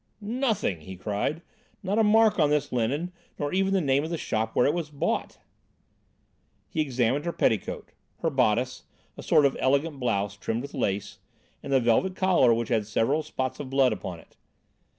"Nothing," he cried, "not a mark on this linen nor even the name of the shop where it was bought." He examined her petticoat, her bodice, a sort of elegant blouse, trimmed with lace, and the velvet collar which had several spots of blood upon it.